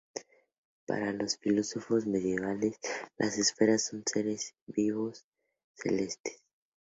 Para los filósofos medievales las esferas son seres vivos celestes.